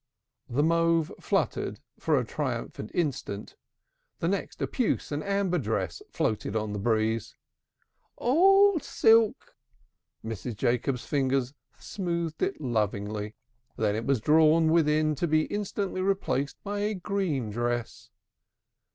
The mauve fluttered for a triumphant instant, the next a puce and amber dress floated on the breeze. "Aw aw aw aw aw awl silk." Mrs. Jacobs's fingers smoothed it lovingly, then it was drawn within to be instantly replaced by a green dress.